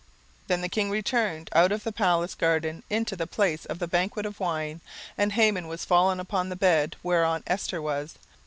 17:007:008 Then the king returned out of the palace garden into the place of the banquet of wine; and Haman was fallen upon the bed whereon Esther was.